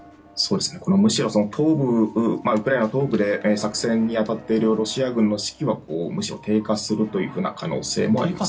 むしろウクライナ東部で作戦に当たっているロシア軍の士気はむしろ低下するという可能性もある。